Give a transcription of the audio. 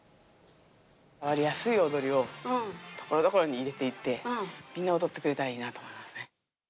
伝わりやすい踊りをところどころに入れていって、みんな踊ってくれたらいいなと思いますね。